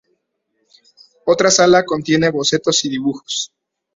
Otra sala contiene bocetos y dibujos.